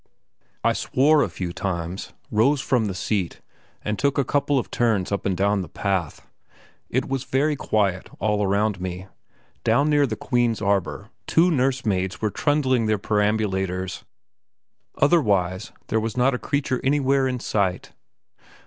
I swore a few times, rose from the seat, and took a couple of turns up and down the path. It was very quiet all around me; down near the Queen's arbour two nursemaids were trundling their perambulators; otherwise, there was not a creature anywhere in sight.